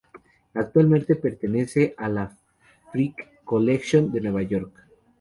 Actualmente pertenece a la "Frick Collection" de Nueva York.